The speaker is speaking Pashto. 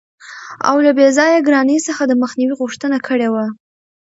او له بې ځایه ګرانۍ څخه دمخنیوي غوښتنه کړې وه.